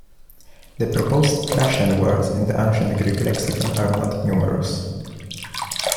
The proposed Thracian words in the Ancient Greek lexicon are not numerous.